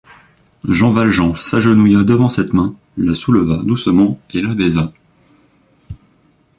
Jean Valjean s’agenouilla devant cette main, la souleva doucement et la baisa.